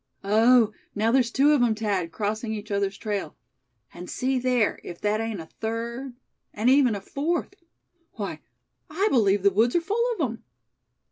"Oh! now there's two of 'em, Thad, crossing each other's trail. And see there, if that ain't a third, and even a fourth. Why, I believe the woods are full of 'em!"